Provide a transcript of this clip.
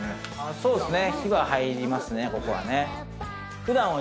そうですね